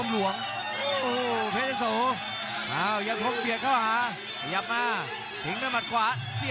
ล็อกไนด์ตี